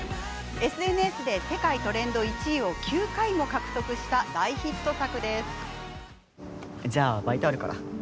ＳＮＳで世界トレンド１位を９回も獲得した大ヒット作。